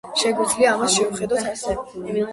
შეგვიძლია ამას შევხედოთ ასე.